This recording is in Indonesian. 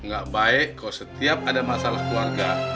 gak baik kalau setiap ada masalah keluarga